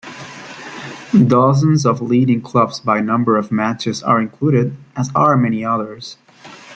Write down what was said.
Dozens of leading clubs by number of matches are included, as are many others.